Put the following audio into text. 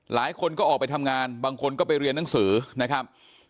หลายคนก็ออกไปทำงานบางคนก็ไปเรียนหนังสือนะครับ